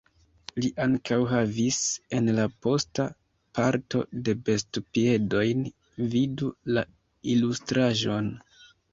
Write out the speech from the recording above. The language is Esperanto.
Li ankaŭ havis en la posta parto du bestpiedojn vidu la ilustraĵon.